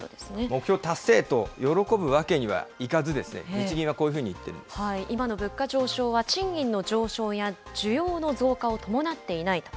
目標達成と、喜ぶわけにはいかず、日銀はこういうふうにいっ今の物価上昇は、賃金の上昇や需要の増加を伴っていないと。